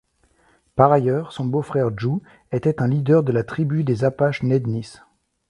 Par ailleurs, son beau-frère Juh était un leader de la tribu des Apaches Nednis.